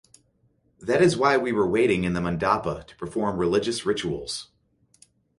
That is why we were waiting in the mandapa to perform religious rituals.